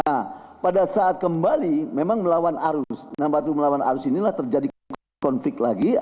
nah pada saat kembali memang melawan arus nah batu melawan arus inilah terjadi konflik lagi